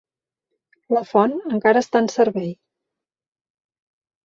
La font encara està en servei.